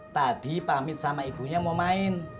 tadi pamit sama ibunya mau main